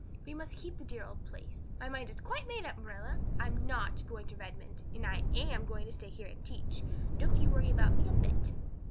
We must keep the dear old place. My mind is quite made up, Marilla. I'm not going to Redmond; and I am going to stay here and teach. Don't you worry about me a bit."